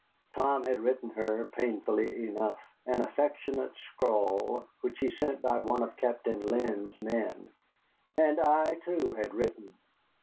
Tom had written her, painfully enough, an affectionate scrawl, which he sent by one of Captain Linn's men. And I, too, had written.